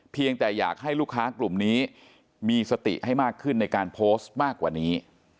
เพียงแต่อยากให้ลูกค้ากลุ่มนี้มีสติให้มากขึ้นในการโพสต์มากกว่านี้